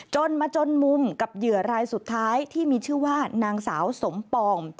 จนมาจนมุมกับเหยื่อรายสุดท้ายที่มีชื่อว่านางสาวสมปอง